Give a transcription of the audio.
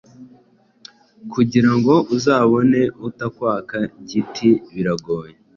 Kugira ngo uzabone utakwaka giti biragoye